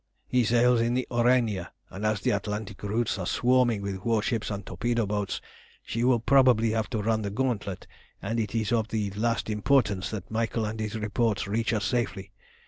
"He sails in the Aurania, and as the Atlantic routes are swarming with war ships and torpedo boats, she will probably have to run the gauntlet, and it is of the last importance that Michael and his reports reach us safely.